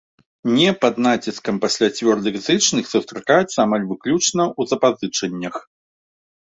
Не пад націскам пасля цвёрдых зычных сустракаецца амаль выключна ў запазычаннях.